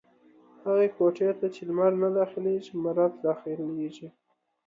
هغي کوټې ته چې لمر نه داخلېږي ، مرض دا خلېږي.